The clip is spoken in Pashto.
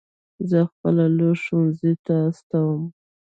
زه خپله لور ښوونځي ته استوم